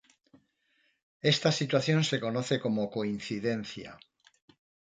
Esta situación se conoce como coincidencia.